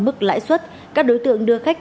mức lãi suất các đối tượng đưa khách